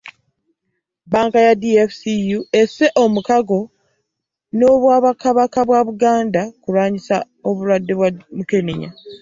Bbanka ya DFCU esse omukago ny'obwakabaka bwa Buganda ku kulwanyisa obulwadde bwa Mukenenya